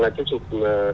là chương trình